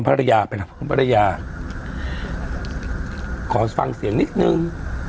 ภรรยาไปนะพร้อมภรรยาขอฟังเสียงนิดหนึ่ง